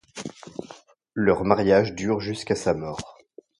Leur mariage dure jusqu'à sa mort.